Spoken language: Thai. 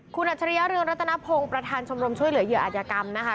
คุณอัจฉริยะเรืองรัตนพงศ์ประธานชมรมช่วยเหลือเหยื่ออัธยกรรมนะคะ